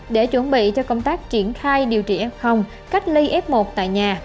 để chuẩn bị cho công tác triển khai điều trị f cách ly f một tại nhà